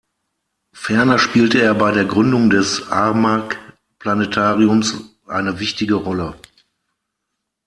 Ferner spielte er bei der Gründung des Armagh-Planetariums eine wichtige Rolle.